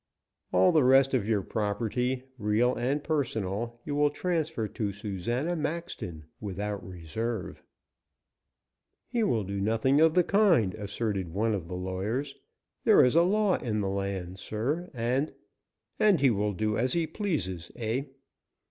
"All the rest of your property, real and personal, you will transfer to Susana Maxton, without reserve " "He will do nothing of the kind!" asserted one of the lawyers. "There is a law in the land, sir, and " "And he will do as he pleases, eh?"